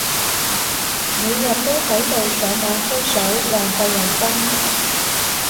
每日都喺度上網吹水，浪費人生